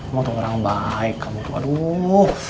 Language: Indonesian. kamu tuh orang baik kamu tuh aduh